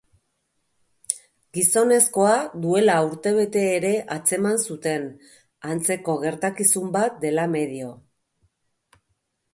Gizonezkoa duela urtebete ere atzeman zuten, antzeko gertakizun bat dela medio.